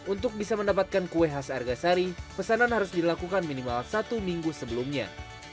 untuk bisa mendapatkan kue khas argasari pesanan harus dilakukan minimal satu minggu sebelumnya